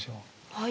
はい。